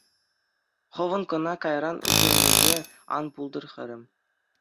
Хӑвӑн кӑна кайран ӳкӗнмелле ан пултӑр, хӗрӗм.